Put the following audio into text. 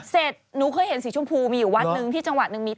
เสร็จหนูเคยเห็นสีชมพูมีอยู่วัดนึงที่จังหวัดนึงมี